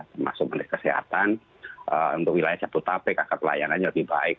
termasuk menteri kesehatan untuk wilayah jabodetabek agar pelayanannya lebih baik